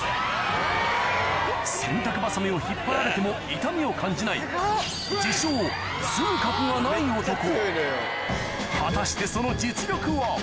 洗濯バサミを引っ張られても痛みを感じない果たしてその実力は？